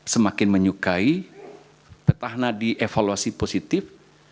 semakin menyukai petahana dievaluasi positif